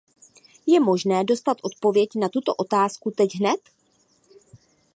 Je možné dostat odpověď na tuto otázku teď hned?